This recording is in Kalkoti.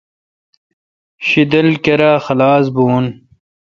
شدل کیرا خلاس بھون۔